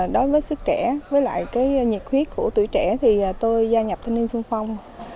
đối với sức trẻ và nhiệt huyết của tuổi trẻ tôi gia nhập thanh niên xuân phong